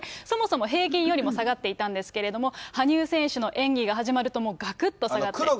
そもそも平均よりも下がってんですけれども、羽生選手の演技が始まると、もうがくっと下がって。